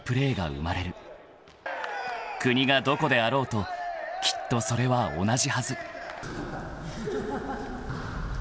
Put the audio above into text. ［国がどこであろうときっとそれは同じはず］